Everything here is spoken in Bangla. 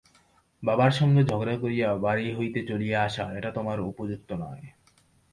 বাবার সঙ্গে ঝগড়া করিয়া বাড়ি হইতে চলিয়া আসা, এটা তোমার উপযুক্ত নয়।